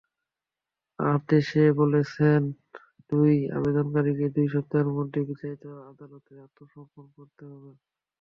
আদেশে বলেছেন, দুই আবেদনকারীকে দুই সপ্তাহের মধ্যে বিচারিক আদালতে আত্মসমর্পণ করতে হবে।